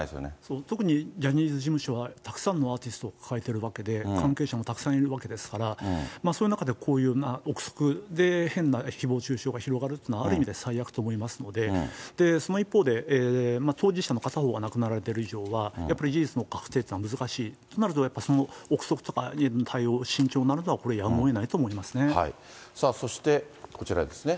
そう、特にジャニーズ事務所はたくさんのアーティストを抱えているわけで、関係者もたくさんいるわけですから、その中でこういう臆測で変なひぼう中傷が広がるというのは、と思いますので、その一方で、当事者の片方が亡くなられている以上は、やっぱり事実の確定というのは難しい、となると、その臆測とか、対応、慎重になるのはやそしてこちらですね。